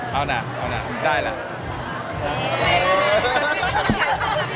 เอาน่าได้แล้ว